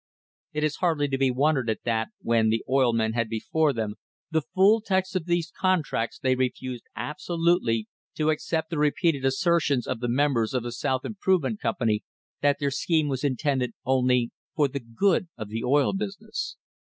It is hardly to be wondered at that when the oil men had before them the full text of these contracts they refused absolutely to accept the repeated assertions of the THE HISTORY OF THE STANDARD OIL COMPANY members of the South Improvement Company that their scheme was intended only for "the good of the oil business."